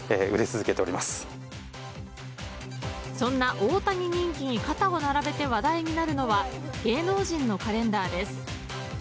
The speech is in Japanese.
そんな大谷人気に肩を並べて話題になるのは芸能人のカレンダーです。